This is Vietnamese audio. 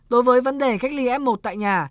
đối với vấn đề cách ly f một tại nhà